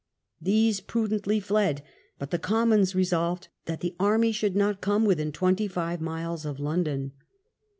These prudently fled, but the Commons resolved that the army should not come within 25 miles of London.